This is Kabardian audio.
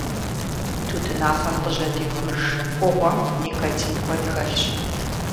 Тутынафэм къыжьэдихуж Ӏугъуэм никотин куэд хэлъщ.